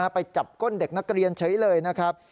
ไปจับก้นเด็กนักเรียนเฉยเลยนะครับ